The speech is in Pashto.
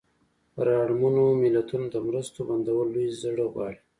پر اړمنو ملتونو د مرستو بندول لوی زړه غواړي.